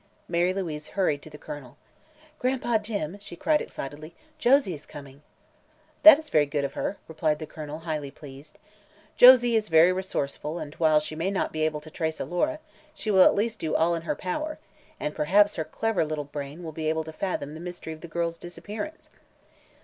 Mary Louise hurried to the Colonel. "Gran'pa Jim," she cried excitedly, "Josie is coming!" "That is very good of her," replied the Colonel, highly pleased. "Josie is very resourceful and while she may not be able to trace Alora she will at least do all in her power, and perhaps her clever little brain will be able to fathom the mystery of the girl's disappearance."